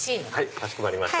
かしこまりました。